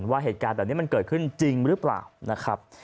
ว่าเหตุการณ์แบบนี้มันเกิดขึ้นจริงหรือเปล่านะครับ